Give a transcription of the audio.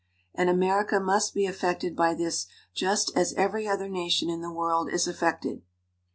And America must be affected by this just as every other nation in the world is affected.